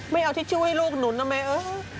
ไม่เอาทิชชู่ให้ลูกหนุนนะแม่เออ